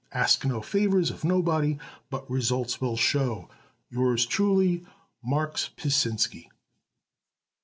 Ask no favors of nobody but results will show. Yours truly MARKS PASINSKY.